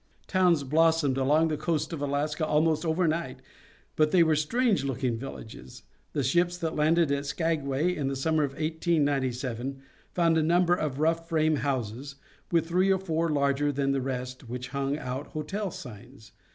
Towns blossomed along the coast of Alaska almost over night, but they were strange looking villages. The ships that landed at Skagway in the summer of 1897 found a number of rough frame houses, with three or four larger than the rest which hung out hotel signs.